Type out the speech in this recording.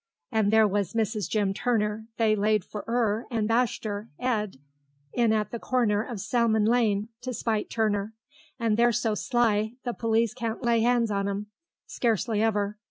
And there was Mrs. Jim Turner; they laid for 'er and bashed 'er 'ead in at the corner of Salmon Lane, to spite Turner. And they're so sly, the police can't lay 'ands on them, scarcely ever....